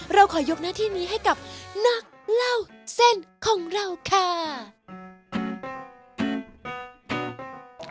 เราขอยกหน้าที่นี้ให้กับนักเล่าเส้นของเราค่ะ